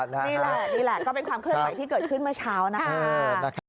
นี่แหละก็เป็นความเคลือบใหม่ที่เกิดขึ้นเมื่อเช้านะครับ